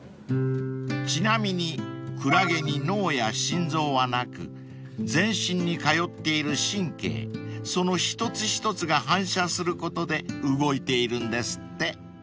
［ちなみにクラゲに脳や心臓はなく全身に通っている神経その一つ一つが反射することで動いているんですって］